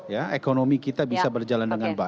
ya ekonomi kita bisa berjalan dengan baik